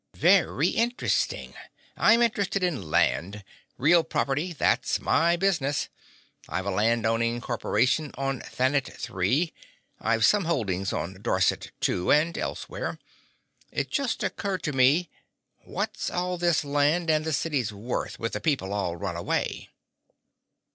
"Very interesting! I'm interested in land. Real property, that's my business. I've a land owning corporation on Thanet Three. I've some holdings on Dorset, too, and elsewhere. It just occurred to me: what's all this land and the cities worth, with the people all run away?"